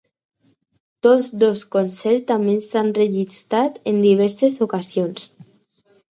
Tots dos concerts també s'han registrat en diverses ocasions.